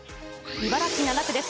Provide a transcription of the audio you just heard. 茨城７区です。